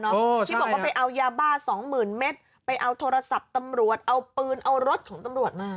ที่บอกว่าไปเอายาบ้าสองหมื่นเมตรไปเอาโทรศัพท์ตำรวจเอาปืนเอารถของตำรวจมา